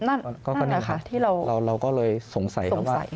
นั่นค่ะเราก็เลยสงสัย